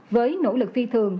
với nỗ lực phi thường